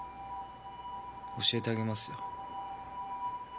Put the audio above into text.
教えてあげますよ。